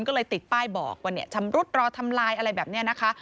ก็เลยติดป้ายบอกว่าเนี่ยชำรุดรอทำลายอะไรแบบนี้นะคะ